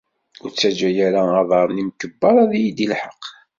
Ur ttaǧǧa ara aḍar n yimkebber a iyi-d-ilḥeq.